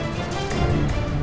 jangan pak landung